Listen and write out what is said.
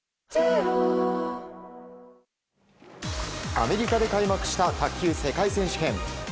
アメリカで開幕した卓球世界選手権。